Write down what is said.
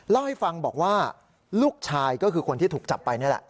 เล่าให้ฟังบอกว่าลูกชายก็คือคนที่ถูกจับไปนี่แหละ